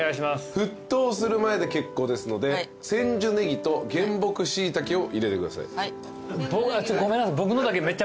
「沸騰する前で結構ですので千住ねぎと原木しいたけを入れてください」